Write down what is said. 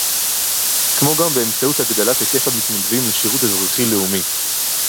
כמו גם באמצעות הגדלת היקף המתנדבים לשירות אזרחי לאומי